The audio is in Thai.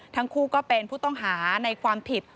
ทั้งคู่ก็เป็นผู้ต้องหาในความผิด